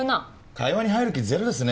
会話に入る気ゼロですね